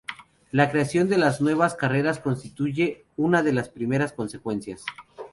La creación de las nuevas carreras constituye una de las primeras consecuencias.